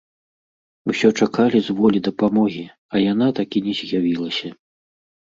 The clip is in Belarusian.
Усё чакалі з волі падмогі, а яна так і не з'явілася.